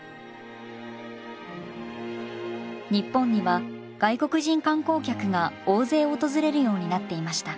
日本には外国人観光客が大勢訪れるようになっていました。